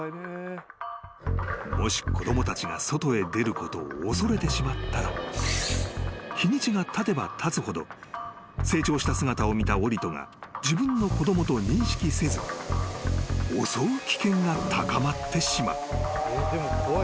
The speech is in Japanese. ［もし子供たちが外へ出ることを恐れてしまったら日にちがたてばたつほど成長した姿を見たオリトが自分の子供と認識せず襲う危険が高まってしまう］